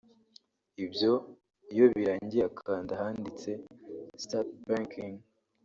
Ibyo iyo birangiye akanda ahanditse ‘Start Banking’